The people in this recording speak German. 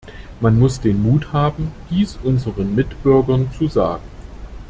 Man muss den Mut haben, dies unseren Mitbürgern zu sagen.